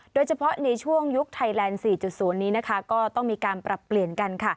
โดยเฉพาะในช่วงยุคไทยแลนด์๔๐นี้นะคะก็ต้องมีการปรับเปลี่ยนกันค่ะ